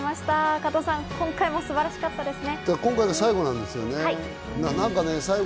加藤さん、今回も素晴らしかったですね。